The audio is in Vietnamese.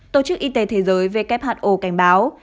tổ chức y tế thế giới who cảnh báo